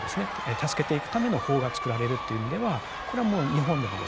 助けていくための法が作られるという意味ではこれはもう日本でもですね